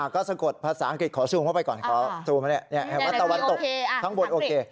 ก็สะกดภาษาอังกฤษขอซูมเข้าไปก่อนวัดตะวันตกทั้งบนโอเค